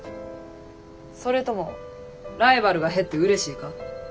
それともライバルが減ってうれしいか？